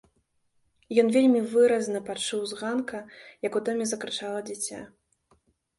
Ён вельмі выразна пачуў з ганка, як у доме закрычала дзіця.